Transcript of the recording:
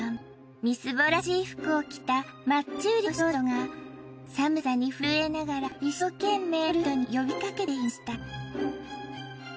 みすぼらしい服を着たマッチ売りの少女が寒さに震えながら一生懸命通る人に呼びかけていました